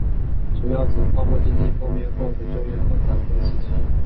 主要指泡沫经济破灭后的就业困难的时期。